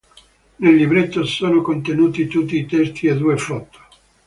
Nel libretto sono contenuti tutti i testi e due foto.